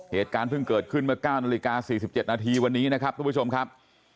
เหตุการณ์เพิ่งเกิดขึ้นเมื่อ๙นาฬิกา๔๗นาทีวันนี้นะครับทุกผู้ชมครับ